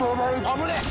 危ねえ！